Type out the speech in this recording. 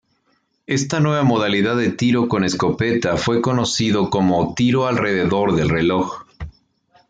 Esta nueva modalidad de tiro con escopeta fue conocido como "tiro alrededor del reloj".